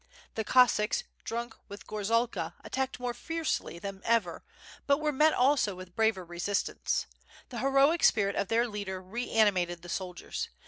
The Cossacks, drunk vRth gorzalka, attacked more fiercely than ever, but were met also with braver resistance. The heroic spirit of their leader reanimated the soldiers.